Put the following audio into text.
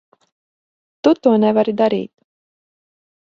Tu to nevari darīt.